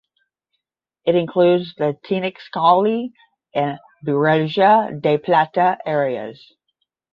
It includes the Tenexcalli and Barriga de Plata areas.